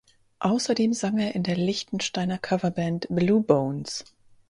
Ausserdem sang er in der Liechtensteiner Coverband Bluebones.